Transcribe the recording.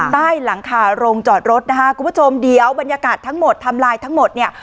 ใต้หลังคาโรงจอดรถนะคะคุณผู้ชมเดี๋ยวบรรยากาศทั้งหมดทำลายทั้งหมดเนี่ย